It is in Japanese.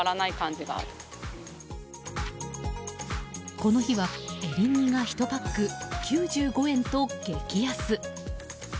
この日はエリンギが１パック９５円と激安。